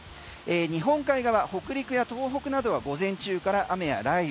日本海側は北陸や東北などは午前中から雨や雷雨。